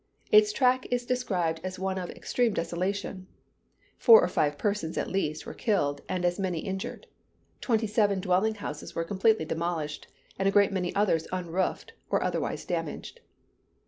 Its track is described as one of "extreme desolation." Four or five persons, at least, were killed, and as many injured. Twenty seven dwelling houses were completely demolished, and a great many others unroofed, or otherwise damaged.